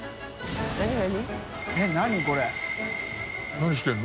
何してるの？